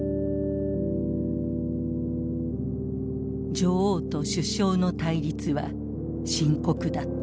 女王と首相の対立は深刻だった。